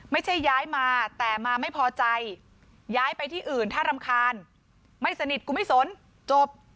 ไม่ใช่ย้ายมาแต่มาไม่พอใจย้ายไปที่อื่นถ้ารำคาญไม่สนิทกูไม่สนจบ